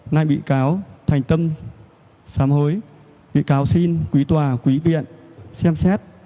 ngay bị cáo thành tâm xám hối bị cáo xin quý tòa quý viện xem xét